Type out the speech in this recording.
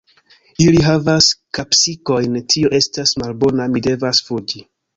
Ili havas kapsikojn tio estas malbona; mi devas fuĝi